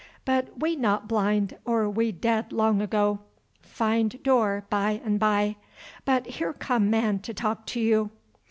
But we not blind, or we dead long ago. Find door by and by, but here come man to talk to you."